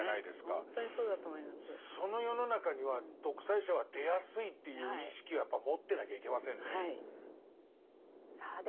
その世の中には独裁者は出やすいという意識はやっぱ持ってなきゃいけませんね。